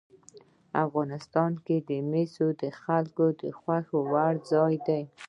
افغانستان کې مس د خلکو د خوښې وړ ځای دی.